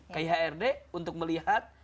ke ihrd untuk melihat